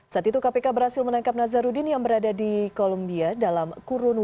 saat itu kpk berhasil menangkap nazarudin yang berada di kolumbia dalam kurun